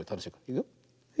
いくよ。